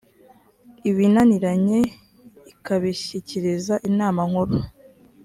ibinaniranye ikabishyikiriza inama nkuru